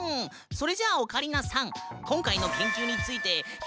それじゃオカリナさん